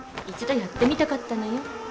一度やってみたかったのよ。